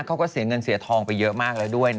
เขาก็เสียเงินเสียทองไปเยอะมากแล้วด้วย